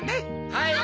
はい！